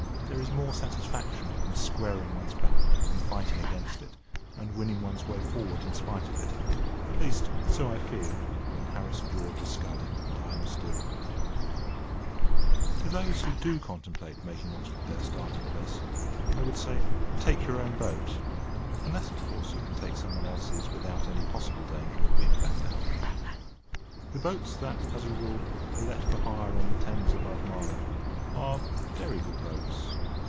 There is more satisfaction in squaring one's back, and fighting against it, and winning one's way forward in spite of it—at least, so I feel, when Harris and George are sculling and I am steering. [Picture: Dog running] To those who do contemplate making Oxford their starting place, I would say, take your own boat—unless, of course, you can take someone else's without any possible danger of being found out. The boats that, as a rule, are let for hire on the Thames above Marlow, are very good boats.